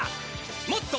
「もっと！